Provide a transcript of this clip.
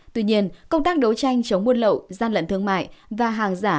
tuy nhiên công tác đấu tranh chống buôn lậu gian lận thương mại và hàng giả